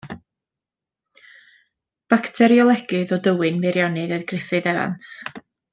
Bacteriolegydd o Dywyn, Meirionnydd oedd Griffith Evans.